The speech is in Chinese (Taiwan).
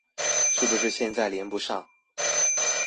是不是現在連不上